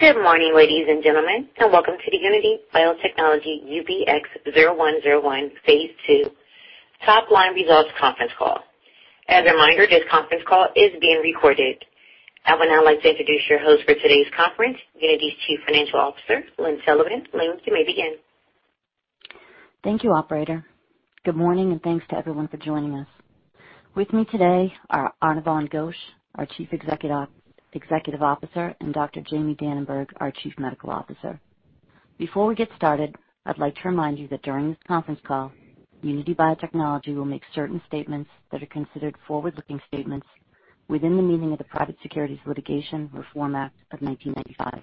Good morning, ladies and gentlemen, and welcome to the Unity Biotechnology UBX0101 phase II Top-Line Results conference call. As a reminder, this conference call is being recorded. I would now like to introduce your host for today's conference, Unity's Chief Financial Officer, Lynne Sullivan. Lynne, you may begin. Thank you, operator. Good morning, and thanks to everyone for joining us. With me today are Anirvan Ghosh, our Chief Executive Officer, and Dr. Jamie Dananberg, our Chief Medical Officer. Before we get started, I'd like to remind you that during this conference call, Unity Biotechnology will make certain statements that are considered forward-looking statements within the meaning of the Private Securities Litigation Reform Act of 1995,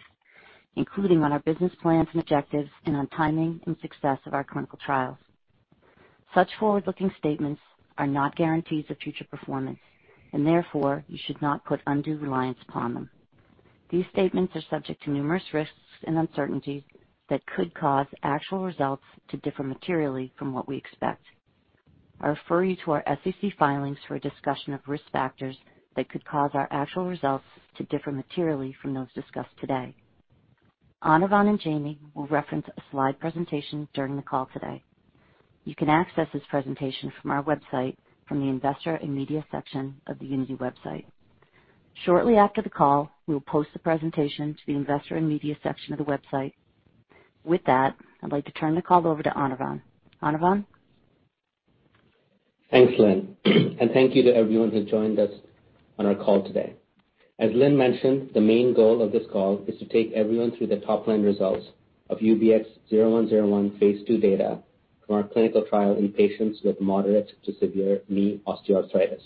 including on our business plans and objectives and on timing and success of our clinical trials. Such forward-looking statements are not guarantees of future performance, and therefore you should not put undue reliance upon them. These statements are subject to numerous risks and uncertainties that could cause actual results to differ materially from what we expect. I refer you to our SEC filings for a discussion of risk factors that could cause our actual results to differ materially from those discussed today. Anirvan and Jamie will reference a slide presentation during the call today. You can access this presentation from our website from the Investor and Media section of the Unity website. Shortly after the call, we will post the presentation to the Investor and Media section of the website. With that, I'd like to turn the call over to Anirvan Ghosh. Anirvan? Thanks, Lynne. Thank you to everyone who joined us on our call today. As Lynne mentioned, the main goal of this call is to take everyone through the top-line results of UBX0101 phase II data from our clinical trial in patients with moderate to severe knee osteoarthritis.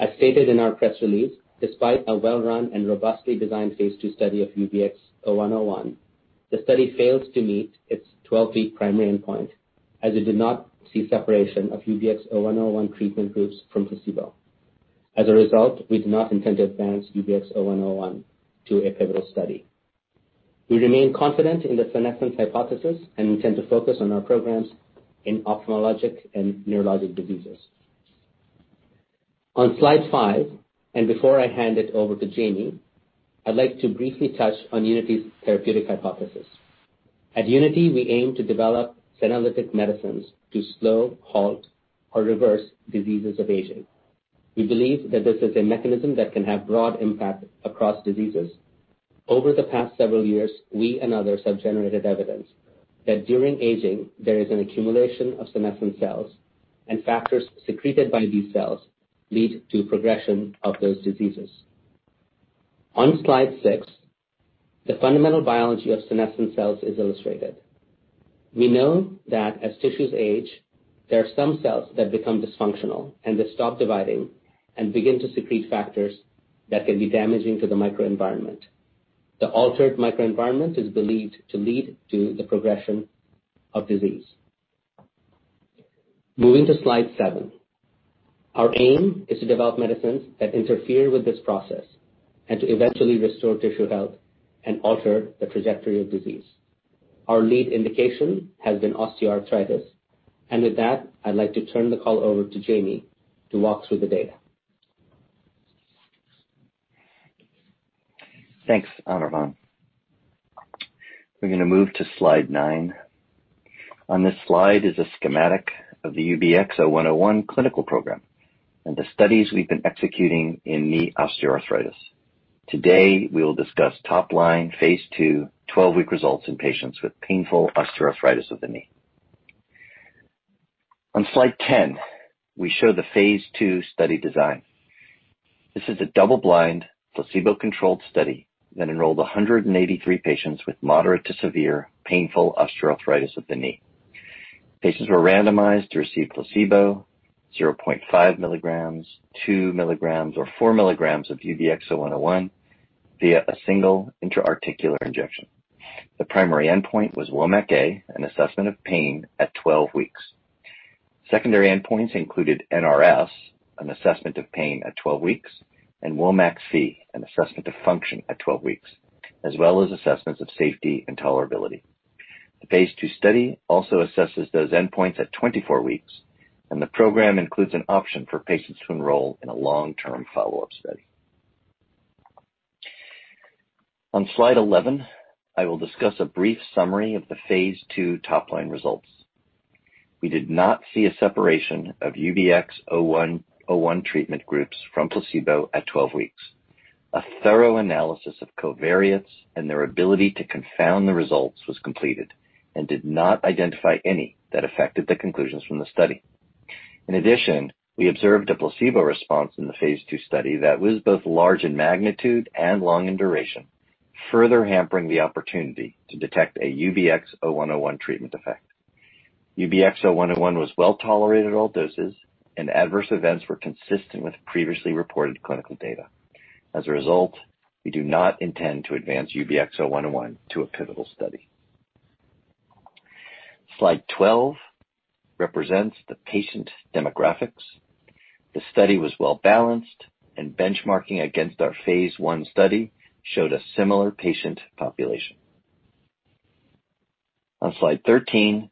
As stated in our press release, despite a well-run and robustly designed phase II study of UBX0101, the study failed to meet its 12-week primary endpoint as it did not see separation of UBX0101 treatment groups from placebo. As a result, we do not intend to advance UBX0101 to a pivotal study. We remain confident in the senescent hypothesis, and we intend to focus on our programs in ophthalmologic and neurologic diseases. On slide five, before I hand it over to Jamie, I'd like to briefly touch on Unity's therapeutic hypothesis. At Unity, we aim to develop senolytic medicines to slow, halt, or reverse diseases of aging. We believe that this is a mechanism that can have broad impact across diseases. Over the past several years, we and others have generated evidence that during aging there is an accumulation of senescent cells, and factors secreted by these cells lead to progression of those diseases. On slide six, the fundamental biology of senescent cells is illustrated. We know that as tissues age, there are some cells that become dysfunctional and they stop dividing and begin to secrete factors that can be damaging to the microenvironment. The altered microenvironment is believed to lead to the progression of disease. Moving to slide seven. Our aim is to develop medicines that interfere with this process and to eventually restore tissue health and alter the trajectory of disease. Our lead indication has been osteoarthritis. With that, I'd like to turn the call over to Jamie to walk through the data. Thanks, Anirvan. We're going to move to slide nine. On this slide is a schematic of the UBX0101 clinical program and the studies we've been executing in knee osteoarthritis. Today, we will discuss top-line phase II 12-week results in patients with painful osteoarthritis of the knee. On slide 10, we show the phase II study design. This is a double-blind, placebo-controlled study that enrolled 183 patients with moderate to severe painful osteoarthritis of the knee. Patients were randomized to receive placebo, 0.5 mg, 2 mg, or 4 mg of UBX0101 via a single intra-articular injection. The primary endpoint was WOMAC-A, an assessment of pain at 12 weeks. Secondary endpoints included numeric rating scale, an assessment of pain at 12 weeks, WOMAC-C, an assessment of function at 12 weeks, as well as assessments of safety and tolerability. The phase II study also assesses those endpoints at 24 weeks, and the program includes an option for patients to enroll in a long-term follow-up study. On slide 11, I will discuss a brief summary of the phase II top-line results. We did not see a separation of UBX0101 treatment groups from placebo at 12 weeks. A thorough analysis of covariates and their ability to confound the results was completed and did not identify any that affected the conclusions from the study. In addition, we observed a placebo response in the phase II study that was both large in magnitude and long in duration, further hampering the opportunity to detect a UBX0101 treatment effect. UBX0101 was well-tolerated at all doses, and adverse events were consistent with previously reported clinical data. As a result, we do not intend to advance UBX0101 to a pivotal study. Slide 12 represents the patient demographics. The study was well-balanced, and benchmarking against our phase I study showed a similar patient population. On slide 13,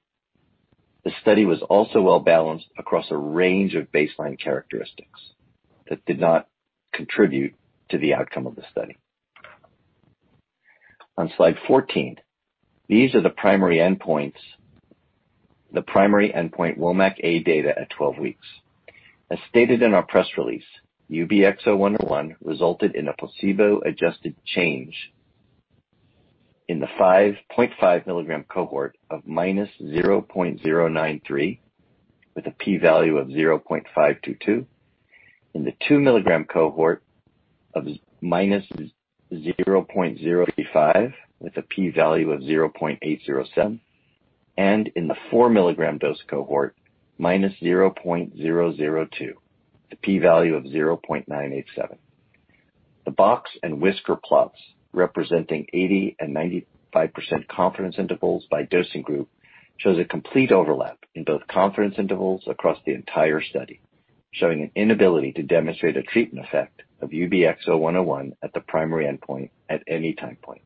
the study was also well-balanced across a range of baseline characteristics that did not contribute to the outcome of the study. On slide 14, these are the primary endpoint WOMAC-A data at 12 weeks. As stated in our press release, UBX0101 resulted in a placebo-adjusted change in the 5.5 mg cohort of -0.093 with a p-value of 0.522, in the 2 mg cohort of -0.085 with a p-value of 0.807, and in the 4 mg dose cohort, -0.002, the p-value of 0.987. The box and whisker plots, representing 80% and 95% confidence intervals by dosing group, shows a complete overlap in both confidence intervals across the entire study, showing an inability to demonstrate a treatment effect of UBX0101 at the primary endpoint at any time point.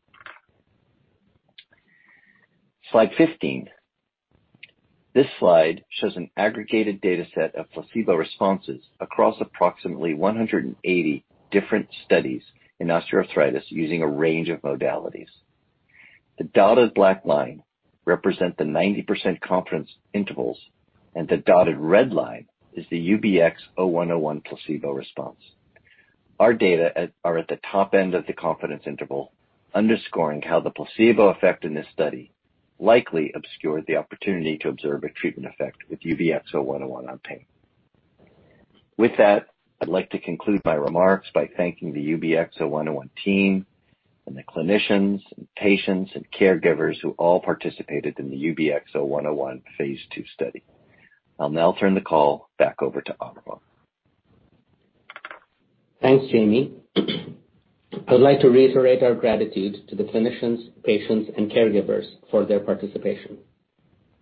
Slide 15. This slide shows an aggregated data set of placebo responses across approximately 180 different studies in osteoarthritis using a range of modalities. The dotted black line represent the 90% confidence intervals, and the dotted red line is the UBX0101 placebo response. Our data are at the top end of the confidence interval, underscoring how the placebo effect in this study likely obscured the opportunity to observe a treatment effect with UBX0101 on pain. With that, I'd like to conclude my remarks by thanking the UBX0101 team and the clinicians and patients and caregivers who all participated in the UBX0101 phase II study. I'll now turn the call back over to Anirvan. Thanks, Jamie. I would like to reiterate our gratitude to the clinicians, patients, and caregivers for their participation.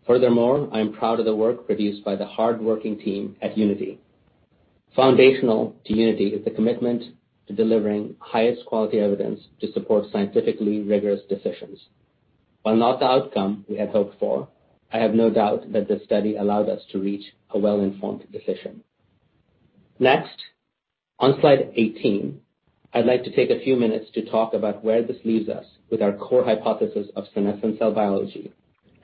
Furthermore, I am proud of the work produced by the hardworking team at Unity. Foundational to Unity is the commitment to delivering highest quality evidence to support scientifically rigorous decisions. While not the outcome we had hoped for, I have no doubt that this study allowed us to reach a well-informed decision. Next, on slide 18, I'd like to take a few minutes to talk about where this leaves us with our core hypothesis of senescent cell biology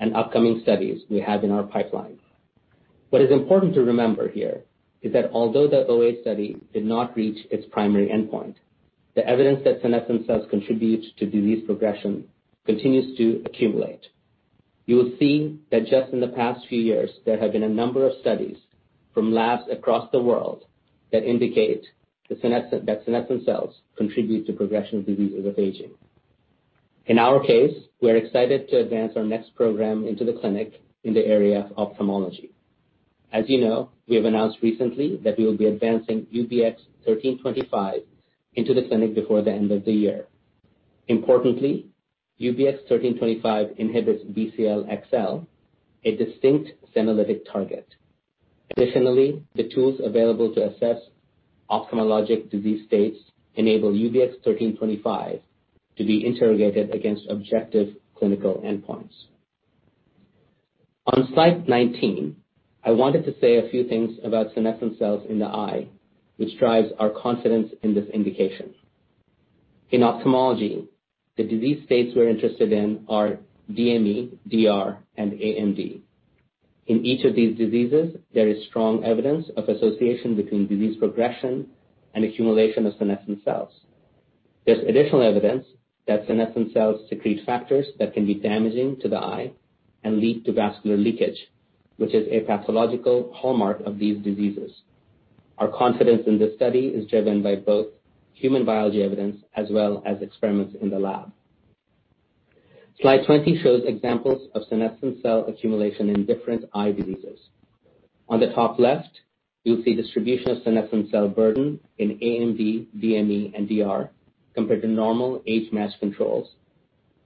and upcoming studies we have in our pipeline. What is important to remember here is that although the OA study did not reach its primary endpoint, the evidence that senescent cells contribute to disease progression continues to accumulate. You will see that just in the past few years, there have been a number of studies from labs across the world that indicate that senescent cells contribute to progression of diseases of aging. In our case, we are excited to advance our next program into the clinic in the area of ophthalmology. As you know, we have announced recently that we will be advancing UBX1325 into the clinic before the end of the year. UBX1325 inhibits BCL-XL, a distinct senolytic target. The tools available to assess ophthalmologic disease states enable UBX1325 to be interrogated against objective clinical endpoints. On slide 19, I wanted to say a few things about senescent cells in the eye, which drives our confidence in this indication. In ophthalmology, the disease states we're interested in are diabetic macular edema, diabetic retinopathy, and age-related macular degeneration. In each of these diseases, there is strong evidence of association between disease progression and accumulation of senescent cells. There's additional evidence that senescent cells secrete factors that can be damaging to the eye and lead to vascular leakage, which is a pathological hallmark of these diseases. Our confidence in this study is driven by both human biology evidence as well as experiments in the lab. Slide 20 shows examples of senescent cell accumulation in different eye diseases. On the top left, you'll see distribution of senescent cell burden in AMD, DME, and DR compared to normal age-matched controls,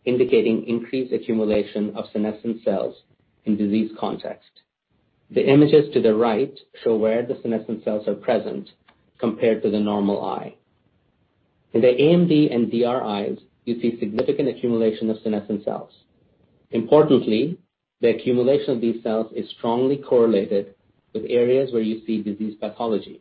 indicating increased accumulation of senescent cells in disease context. The images to the right show where the senescent cells are present compared to the normal eye. In the AMD and DR eyes, you see significant accumulation of senescent cells. Importantly, the accumulation of these cells is strongly correlated with areas where you see disease pathology.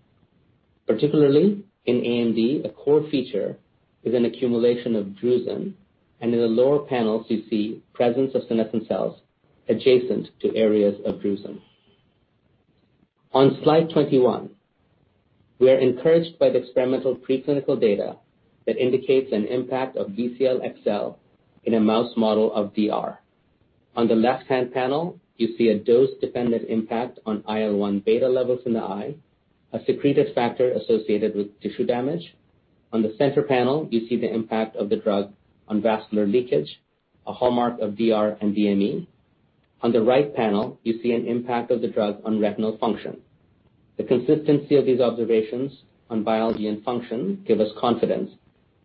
Particularly in AMD, a core feature is an accumulation of drusen, and in the lower panels, you see presence of senescent cells adjacent to areas of drusen. On slide 21, we are encouraged by the experimental preclinical data that indicates an impact of Bcl-xL in a mouse model of DR. On the left-hand panel, you see a dose-dependent impact on IL-1 beta levels in the eye, a secreted factor associated with tissue damage. On the center panel, you see the impact of the drug on vascular leakage, a hallmark of DR and DME. On the right panel, you see an impact of the drug on retinal function. The consistency of these observations on biology and function give us confidence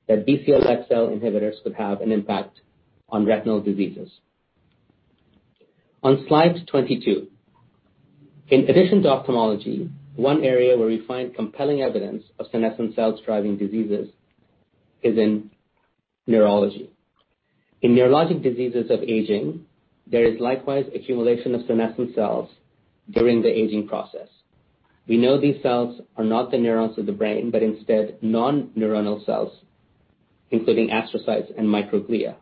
that Bcl-xL inhibitors could have an impact on retinal diseases. On slide 22. In addition to ophthalmology, one area where we find compelling evidence of senescent cells driving diseases is in neurology. In neurologic diseases of aging, there is likewise accumulation of senescent cells during the aging process. We know these cells are not the neurons of the brain, but instead non-neuronal cells, including astrocytes and microglia.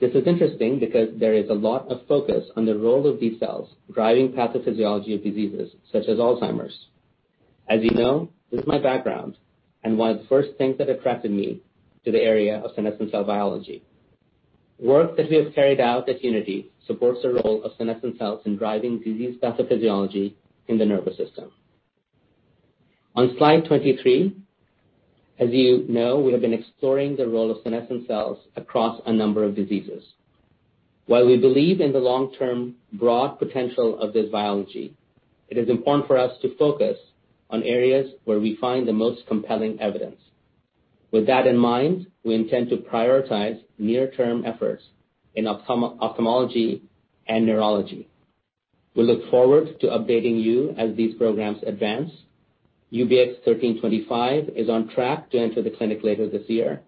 This is interesting because there is a lot of focus on the role of these cells driving pathophysiology of diseases such as Alzheimer's. As you know, this is my background and one of the first things that attracted me to the area of senescent cell biology. Work that we have carried out at Unity supports the role of senescent cells in driving disease pathophysiology in the nervous system. On slide 23, as you know, we have been exploring the role of senescent cells across a number of diseases. While we believe in the long-term broad potential of this biology, it is important for us to focus on areas where we find the most compelling evidence. With that in mind, we intend to prioritize near-term efforts in ophthalmology and neurology. We look forward to updating you as these programs advance. UBX1325 is on track to enter the clinic later this year,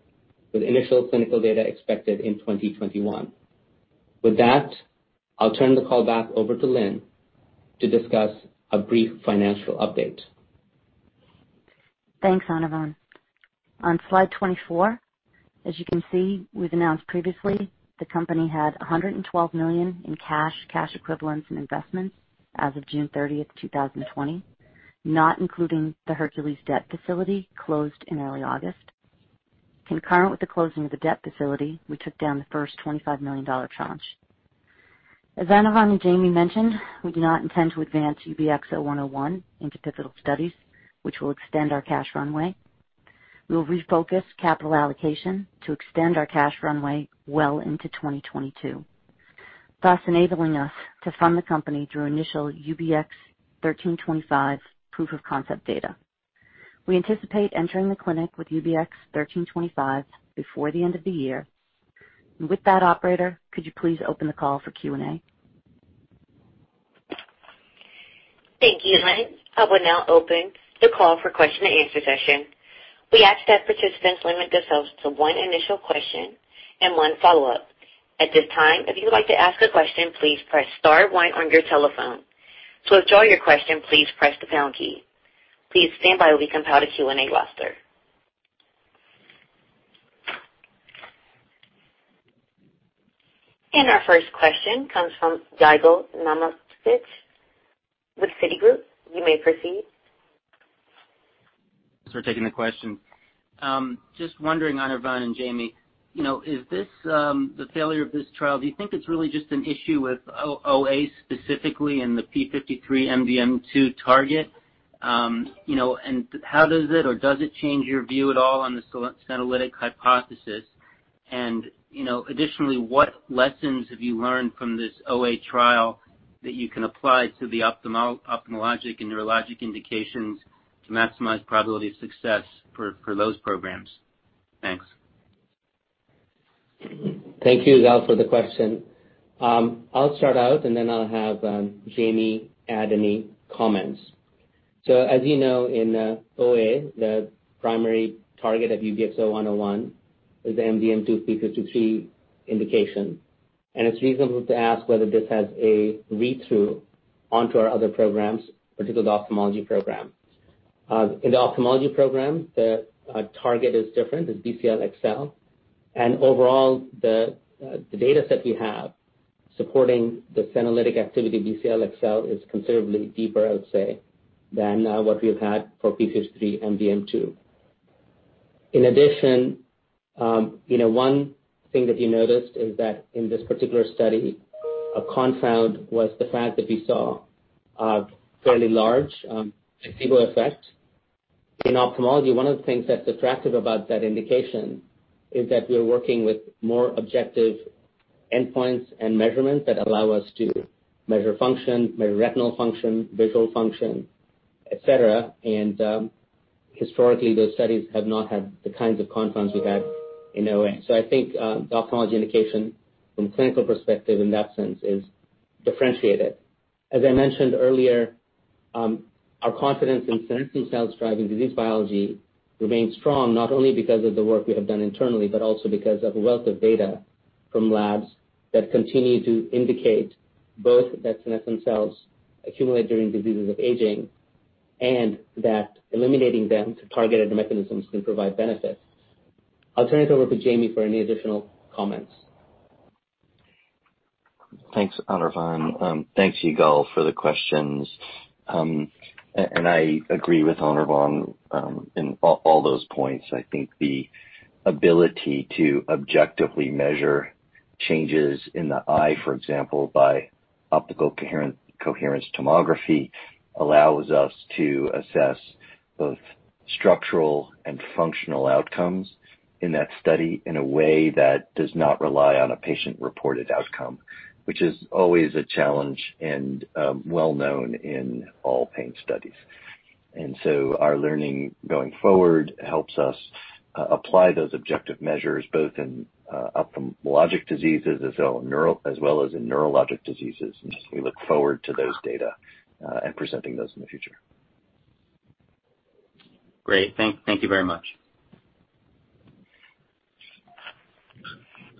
with initial clinical data expected in 2021. With that, I'll turn the call back over to Lynne to discuss a brief financial update. Thanks, Anirvan. On slide 24, as you can see, we've announced previously the company had $112 million in cash equivalents, and investments as of June 30, 2020, not including the Hercules debt facility closed in early August. Concurrent with the closing of the debt facility, we took down the first $25 million tranche. As Anirvan and Jamie mentioned, we do not intend to advance UBX0101 into pivotal studies, which will extend our cash runway. We'll refocus capital allocation to extend our cash runway well into 2022, thus enabling us to fund the company through initial UBX1325 proof of concept data. We anticipate entering the clinic with UBX1325 before the end of the year. With that, operator, could you please open the call for Q&A? Thank you, Lynne. I will now open the call for question and answer session. We ask that participants limit themselves to one initial question and one follow-up. At this time, if you would like to ask a question, please press star one on your telephone. To withdraw your question, please press the pound key. Please stand by while we compile the Q&A roster. And our first question comes from Yigal Nochomovitz with Citigroup. You may proceed. Thanks for taking the question. Just wondering, Anirvan and Jamie, the failure of this trial, do you think it's really just an issue with osteoarthritis specifically and the p53-MDM2 target? How does it or does it change your view at all on the senolytic hypothesis? Additionally, what lessons have you learned from this OA trial that you can apply to the ophthalmologic and neurologic indications to maximize probability of success for those programs? Thanks. Thank you, Yigal, for the question. I'll start out, then I'll have Jamie add any comments. As you know, in OA, the primary target of UBX0101 is MDM2, p53 interaction. It's reasonable to ask whether this has a read-through onto our other programs, particularly the ophthalmology program. In the ophthalmology program, the target is different. It's Bcl-xL, overall, the data set we have supporting the senolytic activity Bcl-xL is considerably deeper, I would say, than what we've had for p53-MDM2. In addition, one thing that we noticed is that in this particular study, a confound was the fact that we saw a fairly large placebo effect. In ophthalmology, one of the things that's attractive about that indication is that we are working with more objective endpoints and measurements that allow us to measure function, measure retinal function, visual function, et cetera. Historically, those studies have not had the kinds of confounds we had in OA. I think the ophthalmology indication from a clinical perspective in that sense is differentiated. As I mentioned earlier, our confidence in senescent cells driving disease biology remains strong, not only because of the work we have done internally, but also because of a wealth of data from labs that continue to indicate both that senescent cells accumulate during diseases of aging and that eliminating them to targeted mechanisms can provide benefits. I'll turn it over to Jamie for any additional comments. Thanks, Anirvan. Thanks, Yigal, for the questions. I agree with Anirvan in all those points. I think the ability to objectively measure changes in the eye, for example, by optical coherence tomography, allows us to assess both structural and functional outcomes in that study in a way that does not rely on a patient-reported outcome, which is always a challenge and well-known in all pain studies. Our learning going forward helps us apply those objective measures both in ophthalmologic diseases as well as in neurologic diseases. We look forward to those data and presenting those in the future. Great. Thank you very much.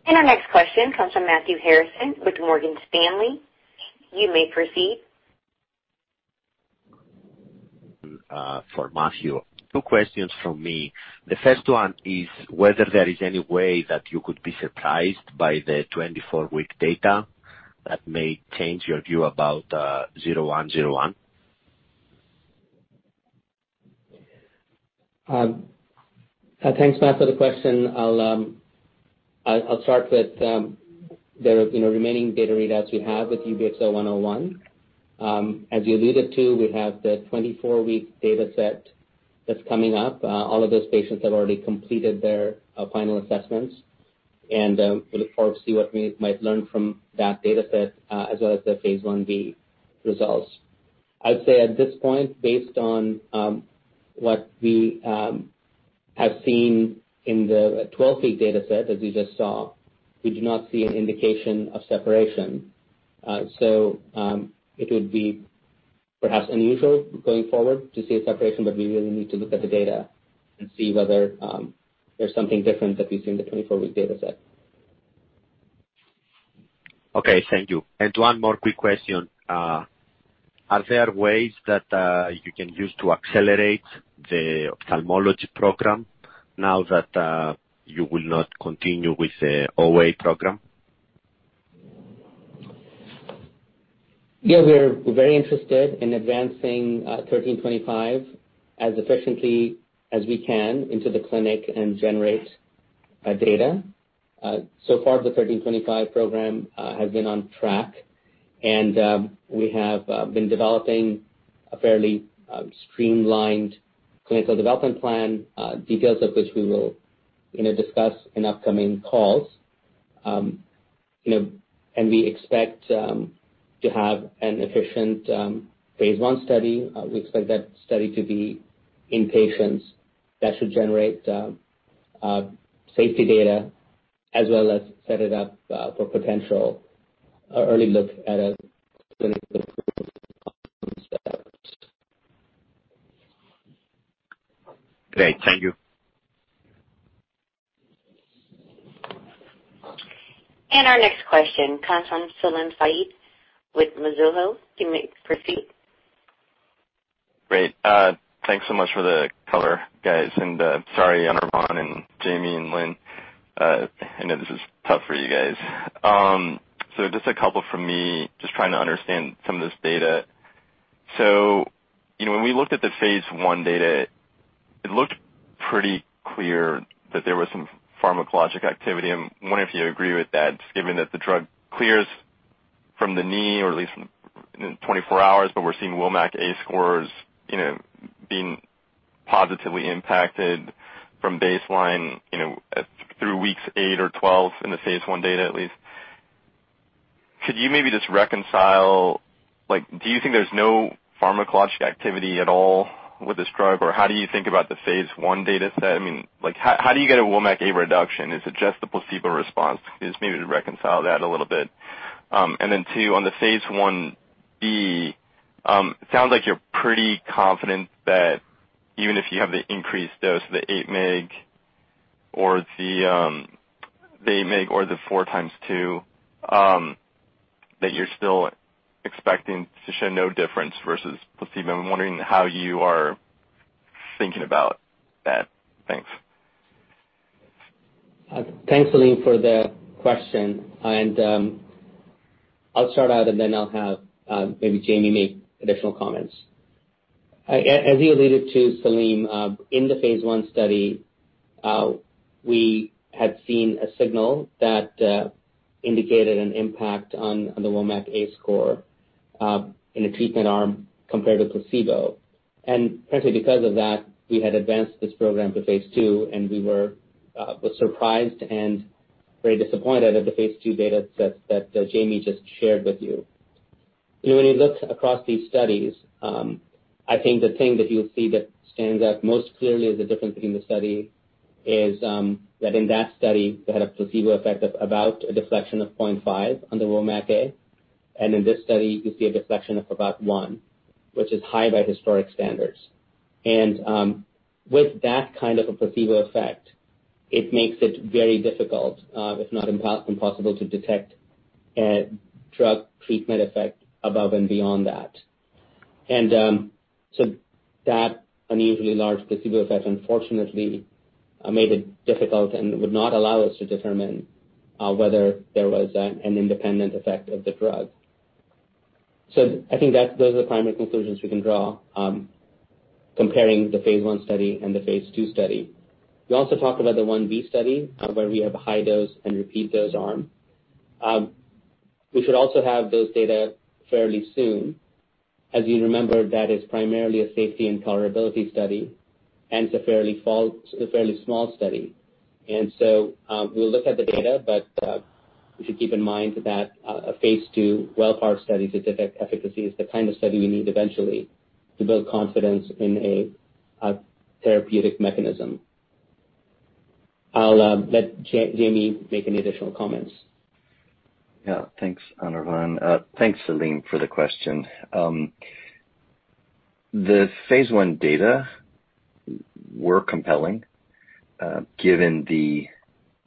Our next question comes from Matthew Harrison with Morgan Stanley. You may proceed. For Matthew, two questions from me. The first one is whether there is any way that you could be surprised by the 24-week data that may change your view about UBX0101? Thanks, Matt, for the question. I'll start with the remaining data readouts we have with UBX0101. As you alluded to, we have the 24-week data set that's coming up. All of those patients have already completed their final assessments, and we look forward to see what we might learn from that data set, as well as the phase I-B results. I'd say at this point, based on what we have seen in the 12-week data set, as we just saw, we do not see an indication of separation. It would be perhaps unusual going forward to see a separation, but we really need to look at the data and see whether there's something different that we see in the 24-week data set. Okay. Thank you. One more quick question. Are there ways that you can use to accelerate the ophthalmology program now that you will not continue with the OA program? Yeah, we're very interested in advancing UBX1325 as efficiently as we can into the clinic and generate data. Far the UBX1325 program has been on track, and we have been developing a fairly streamlined clinical development plan, details of which we will discuss in upcoming calls. We expect to have an efficient phase I study. We expect that study to be in patients. That should generate safety data as well as set it up for potential early look at a clinical. Great. Thank you. Our next question comes from Salim Syed with Mizuho. You may proceed. Great. Thanks so much for the color, guys. Sorry, Anirvan and Jamie and Lynne. I know this is tough for you guys. Just a couple from me, just trying to understand some of this data. When we looked at the phase I data, it looked pretty clear that there was some pharmacologic activity. I'm wondering if you agree with that, given that the drug clears from the knee or at least in 24 hours, but we're seeing WOMAC-A scores being positively impacted from baseline through weeks eight or 12 in the Phase I data, at least. Could you maybe just reconcile, do you think there's no pharmacologic activity at all with this drug? How do you think about the Phase I data set? How do you get a WOMAC-A reduction? Is it just the placebo response? Just maybe to reconcile that a little bit. Two, on the phase I-B, sounds like you're pretty confident that even if you have the increased dose, the eight mg or the four times two, that you're still expecting to show no difference versus placebo. I'm wondering how you are thinking about that. Thanks. Thanks, Salim, for the question. I'll start out, and then I'll have maybe Jamie make additional comments. As you alluded to, Salim, in the phase I study, we had seen a signal that indicated an impact on the WOMAC-A score in a treatment arm compared to placebo. Partly because of that, we had advanced this program to phase II, and we were surprised and very disappointed at the phase II data sets that Jamie just shared with you. When you look across these studies, I think the thing that you'll see that stands out most clearly as the difference between the study is that in that study, they had a placebo effect of about a deflection of 0.5 on the WOMAC-A, and in this study, you see a deflection of about one, which is high by historic standards. With that kind of a placebo effect, it makes it very difficult, if not impossible, to detect a drug treatment effect above and beyond that. That unusually large placebo effect unfortunately made it difficult and would not allow us to determine whether there was an independent effect of the drug. I think those are the primary conclusions we can draw, comparing the phase I study and the phase II study. We also talk about the phase I-B study, where we have a high dose and repeat dose arm. We should also have those data fairly soon. As you remember, that is primarily a safety and tolerability study, and it's a fairly small study. We'll look at the data. We should keep in mind that a phase II well-powered study to detect efficacy is the kind of study we need eventually to build confidence in a therapeutic mechanism. I'll let Jamie make any additional comments. Yeah, thanks, Anirvan. Thanks, Salim, for the question. The phase I data were compelling, given the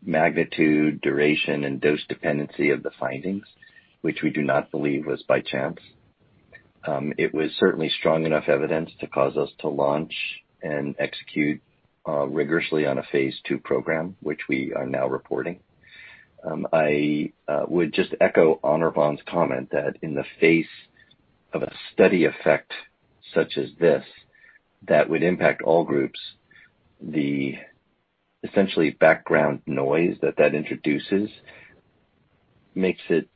magnitude, duration, and dose dependency of the findings, which we do not believe was by chance. It was certainly strong enough evidence to cause us to launch and execute rigorously on a phase II program, which we are now reporting. I would just echo Anirvan's comment that in the face of a study effect such as this that would impact all groups, the essentially background noise that introduces makes it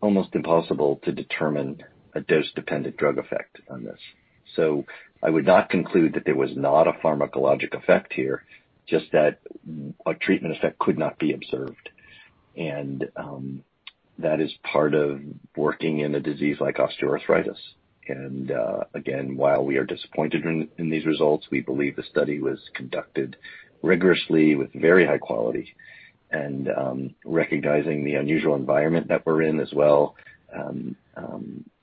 almost impossible to determine a dose-dependent drug effect on this. I would not conclude that there was not a pharmacologic effect here, just that a treatment effect could not be observed. That is part of working in a disease like osteoarthritis. Again, while we are disappointed in these results, we believe the study was conducted rigorously with very high quality. Recognizing the unusual environment that we're in as well,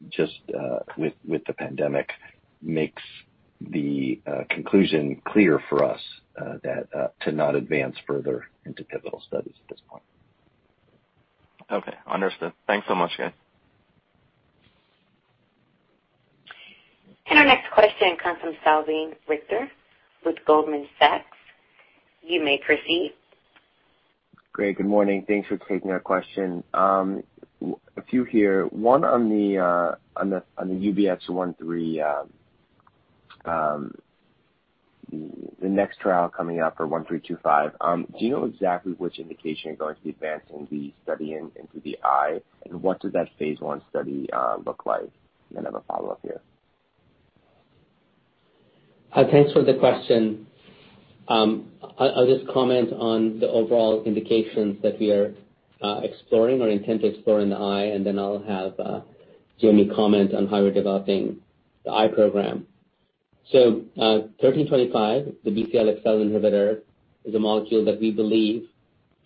just with the pandemic, makes the conclusion clear for us to not advance further into pivotal studies at this point. Okay, understood. Thanks so much, guys. Our next question comes from Salveen Richter with Goldman Sachs. You may proceed. Great. Good morning. Thanks for taking our question. A few here. One on the UBX1325, the next trial coming up for UBX1325, do you know exactly which indication you're going to be advancing the study in into the eye, and what does that phase I study look like? I have a follow-up here. Thanks for the question. I'll just comment on the overall indications that we are exploring or intend to explore in the eye, and then I'll have Jamie comment on how we're developing the eye program. UBX1325, the Bcl-xL inhibitor, is a molecule that we believe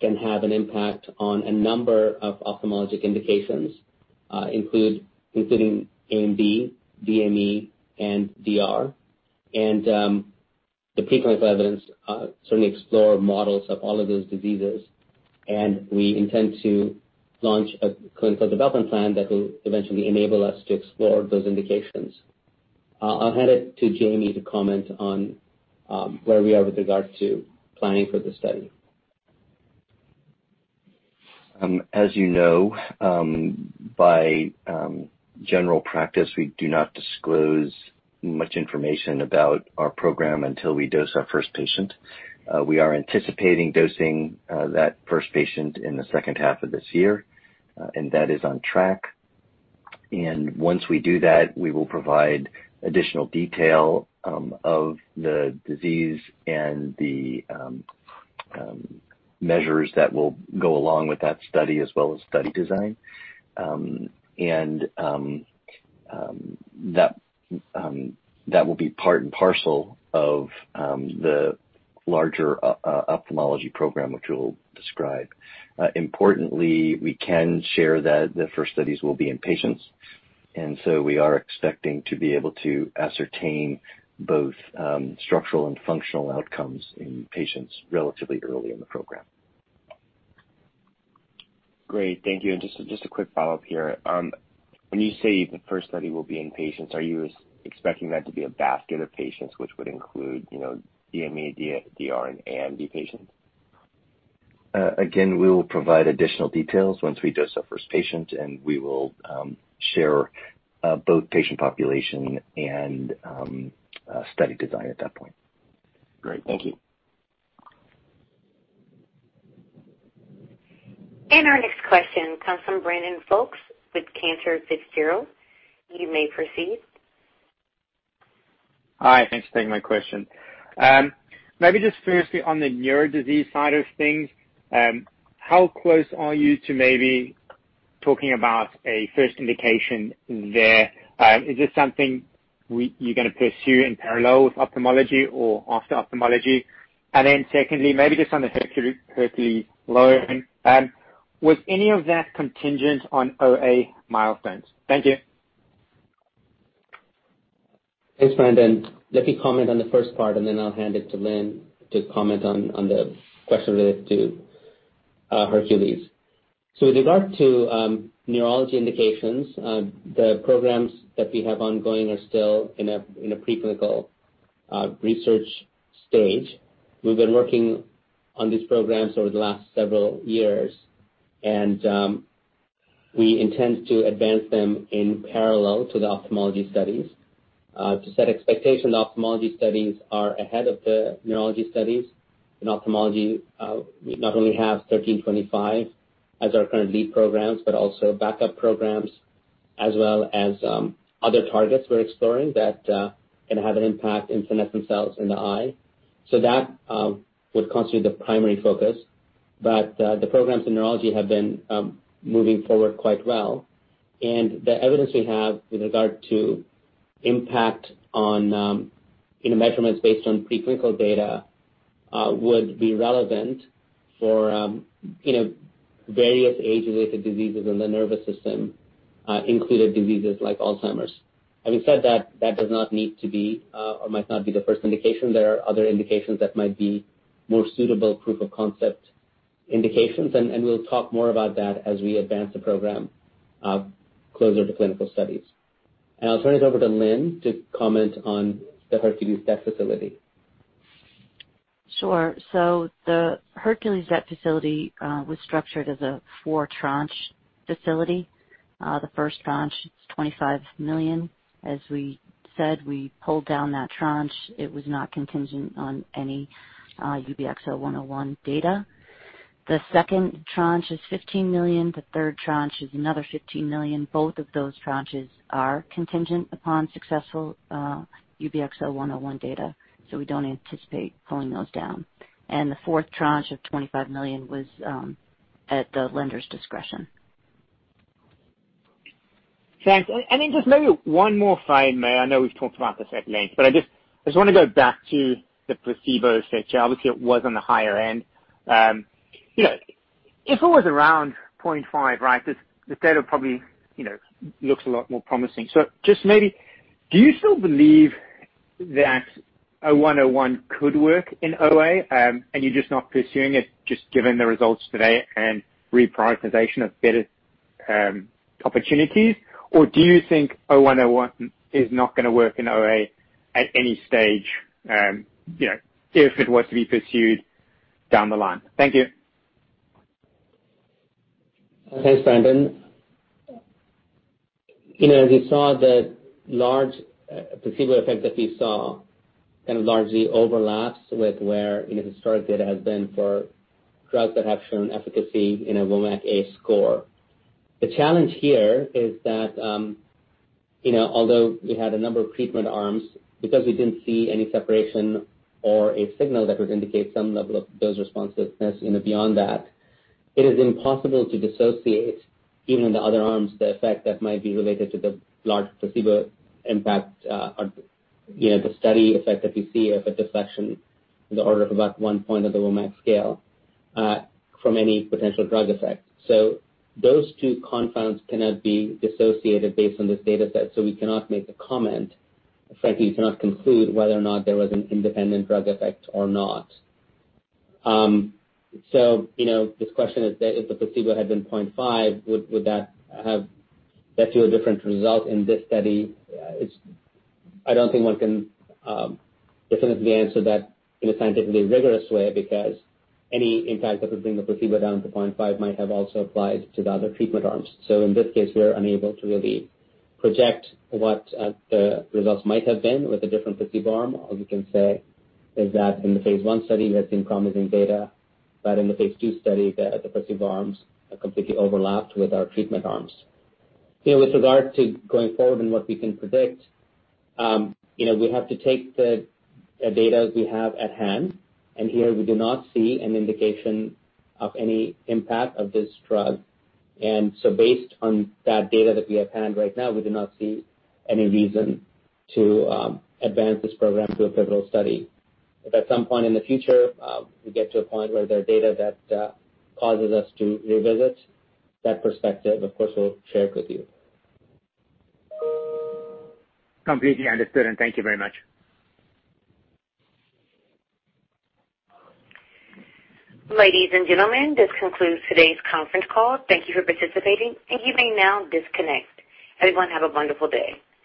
can have an impact on a number of ophthalmologic indications, including AMD, DME, and DR. The preclinical evidence certainly explore models of all of those diseases, and we intend to launch a clinical development plan that will eventually enable us to explore those indications. I'll hand it to Jamie to comment on where we are with regard to planning for the study. As you know, by general practice, we do not disclose much information about our program until we dose our first patient. We are anticipating dosing that first patient in the second half of this year, and that is on track. Once we do that, we will provide additional detail of the disease and the measures that will go along with that study as well as study design. That will be part and parcel of the larger ophthalmology program, which we'll describe. Importantly, we can share that the first studies will be in patients, and so we are expecting to be able to ascertain both structural and functional outcomes in patients relatively early in the program. Great. Thank you. Just a quick follow-up here. When you say the first study will be in patients, are you expecting that to be a basket of patients, which would include DME, DR, and AMD patients? Again, we will provide additional details once we dose our first patient, and we will share both patient population and study design at that point. Great. Thank you. Our next question comes from Brandon Folkes with Cantor Fitzgerald. You may proceed. Hi. Thanks for taking my question. Maybe just firstly on the neurodisease side of things, how close are you to maybe talking about a first indication there? Is this something you're going to pursue in parallel with ophthalmology or after ophthalmology? Secondly, maybe just on the Hercules loading. Was any of that contingent on OA milestones? Thank you. Thanks, Brandon. Let me comment on the first part, and then I'll hand it to Lynne to comment on the question related to Hercules. With regard to neurology indications, the programs that we have ongoing are still in a preclinical research stage. We've been working on these programs over the last several years, and we intend to advance them in parallel to the ophthalmology studies. To set expectations, ophthalmology studies are ahead of the neurology studies. In ophthalmology, we not only have UBX1325 as our current lead programs, but also backup programs, as well as other targets we're exploring that can have an impact in senescent cells in the eye. That would constitute the primary focus. The programs in neurology have been moving forward quite well. The evidence we have with regard to impact on measurements based on preclinical data would be relevant for various age-related diseases in the nervous system, including diseases like Alzheimer's. Having said that does not need to be, or might not be, the first indication. There are other indications that might be more suitable proof-of-concept indications, and we'll talk more about that as we advance the program closer to clinical studies. I'll turn it over to Lynne to comment on the Hercules debt facility. Sure. The Hercules debt facility was structured as a four tranche facility. The first tranche is $25 million. As we said, we pulled down that tranche. It was not contingent on any UBX0101 data. The second tranche is $15 million. The third tranche is another $15 million. Both of those tranches are contingent upon successful UBX0101 data, so we don't anticipate pulling those down. The fourth tranche of $25 million was at the lender's discretion. Thanks. Just maybe one more frame. I know we've talked about this at length, but I just want to go back to the placebo effect. Obviously, it was on the higher end. If it was around 0.5, right, this data probably looks a lot more promising. Just maybe, do you still believe that UBX0101 could work in OA, and you're just not pursuing it just given the results today and reprioritization of better opportunities? Do you think UBX0101 is not going to work in OA at any stage if it was to be pursued down the line? Thank you. Thanks, Brandon. As you saw, the large placebo effect that we saw kind of largely overlaps with where the historic data has been for drugs that have shown efficacy in a WOMAC-A score. The challenge here is that, although we had a number of treatment arms, because we didn't see any separation or a signal that would indicate some level of dose responsiveness beyond that, it is impossible to dissociate, even in the other arms, the effect that might be related to the large placebo impact or the study effect that we see of a deflection in the order of about one point on the WOMAC scale, from any potential drug effect. Those two confounds cannot be dissociated based on this data set, so we cannot make the comment. Frankly, we cannot conclude whether or not there was an independent drug effect or not. This question is, if the placebo had been 0.5, would that have led to a different result in this study? I don't think one can definitively answer that in a scientifically rigorous way, because any impact that would bring the placebo down to 0.5 might have also applied to the other treatment arms. In this case, we are unable to really project what the results might have been with a different placebo arm. All we can say is that in the phase I study, we had seen promising data, but in the phase II study, the placebo arms are completely overlapped with our treatment arms. With regard to going forward and what we can predict, we have to take the data we have at hand, and here we do not see an indication of any impact of this drug. Based on that data that we have at hand right now, we do not see any reason to advance this program to a pivotal study. If at some point in the future we get to a point where there are data that causes us to revisit that perspective, of course, we'll share it with you. Completely understood, thank you very much. Ladies and gentlemen, this concludes today's conference call. Thank you for participating, and you may now disconnect. Everyone, have a wonderful day.